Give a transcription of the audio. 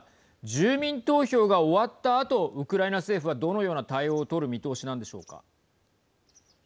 住民投票が終わったあと、ウクライナ政府はどのような対応を取る見通しなのでしょうか。